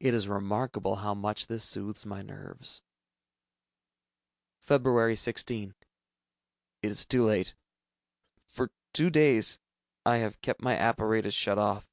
It is remarkable how much this soothes my nerves. Feb. 16. It is too late! For two days, I have kept my apparatus shut off.